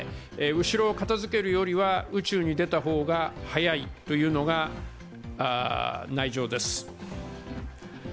後ろを片づけるよりは宇宙に出た方が早いというのが内情です。